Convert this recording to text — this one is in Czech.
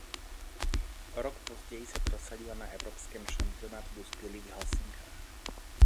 O rok později se prosadila na evropském šampionátu dospělých v Helsinkách.